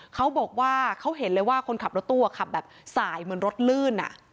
เขาบอกว่าเขาเห็นเลยว่าคนขับรถตู้ขับแบบสายเหมือนรถลื่น